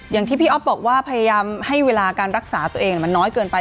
อย่างที่พี่อ๊อฟบอกว่าพยายามให้เวลาการรักษาตัวเองมันน้อยเกินไป